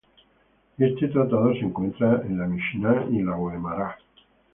Este tratado se encuentra en la Mishná y en la Guemará.